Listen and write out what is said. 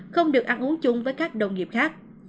không được ăn uống chung với các đồng nghiệp khác